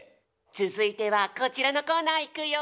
つづいてはこちらのコーナーいくよ！